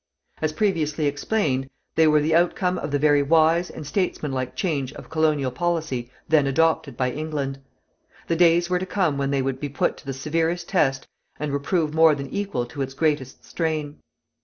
As previously explained, they were the outcome of the very wise and statesmanlike change of colonial policy then adopted by England. The days were to come when they would be put to the severest test and would prove more than equal to its greatest strain.